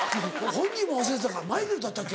本人も忘れてたから「マイケルだったっけ？」。